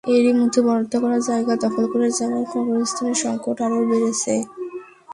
এরই মধ্যে বরাদ্দ করা জায়গা দখল হয়ে যাওয়ায় কবরস্থানের সংকট আরও বেড়েছে।